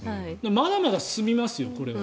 まだまだ進みますよ、これは。